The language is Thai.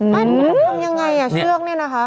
ทำยังไงอ่ะเชือกเนี่ยนะคะ